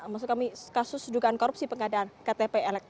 maksud kami kasus sedukaan korupsi pengadaan ktp